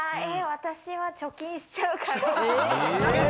私は貯金しちゃうかな。